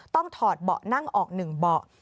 ต้องถอดเบาะนั่งออกหนึ่งเบาะ